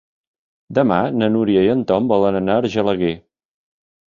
Demà na Núria i en Tom volen anar a Argelaguer.